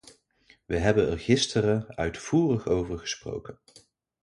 We hebben er gisteren uitvoerig over gesproken.